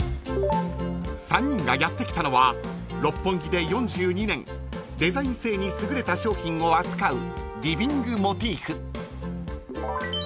［３人がやって来たのは六本木で４２年デザイン性に優れた商品を扱う］